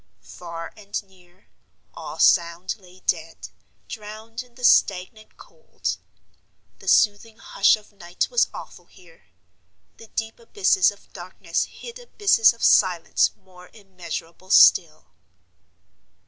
Far and near, all sound lay dead, drowned in the stagnant cold. The soothing hush of night was awful here. The deep abysses of darkness hid abysses of silence more immeasurable still.